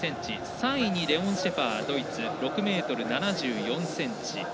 ３位にレオン・シェファードイツ６ｍ７４ｃｍ。